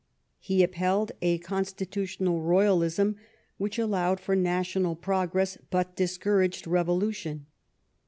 He upheld a con stitutional royalism which allowed for national progress but discouraged revolution.